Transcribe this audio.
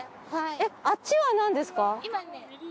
あっちは何ですか？